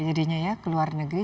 jadinya ya ke luar negeri